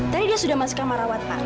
tadi dia sudah masuk kamar rawatan